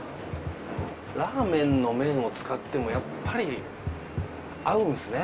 ラーメンの麺を使ってもやっぱり合うんすね。